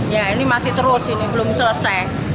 ya ini masih terus ini belum selesai